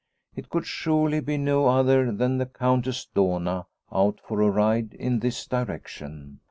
It could surely be no other than the Countess Dohna out for a ride in this direction.